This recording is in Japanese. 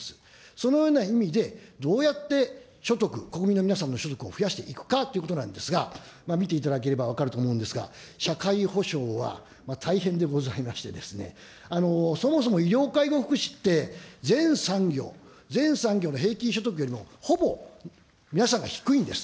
そのような意味で、どうやって所得、国民の皆さんの所得を増やしていくかということなんですが、見ていただければ分かると思うんですが、社会保障は大変でございましてですね、そもそも医療、介護、福祉って全産業、全産業の平均所得よりもほぼ、皆さん、が低いんです。